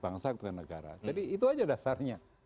bangsa kita negara jadi itu aja dasarnya